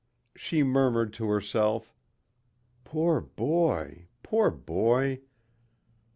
She murmured to herself, "Poor boy, poor boy."